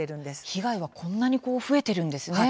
被害がこんなに増えているんですね。